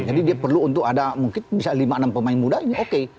jadi dia perlu untuk ada mungkin bisa lima enam pemain muda ini oke